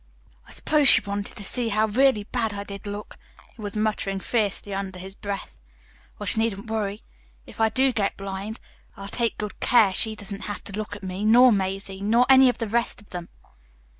"I suppose she wanted to see how really bad I did look," he was muttering fiercely, under his breath. "Well, she needn't worry. If I do get blind, I'll take good care she don't have to look at me, nor Mazie, nor any of the rest of them."